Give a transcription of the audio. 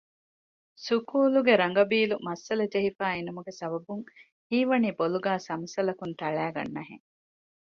ސުކޫލުގެ ރަނގަބީލު މައްސަލަ ޖެހިފައި އިނުމުގެ ސަބަބުން ހީވަނީ ބޮލުގައި ސަމުސަލަކުން ތަޅައިގަންނަހެން